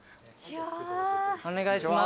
はいお願いします。